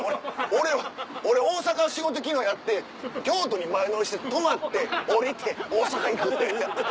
俺大阪仕事昨日やって京都に前乗りして泊まって降りて大阪行くんで。